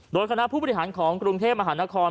โดยคณะผู้บริหารของกรุงเทพมหานคร